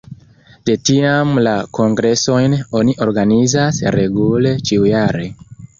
De tiam la kongresojn oni organizas regule ĉiujare.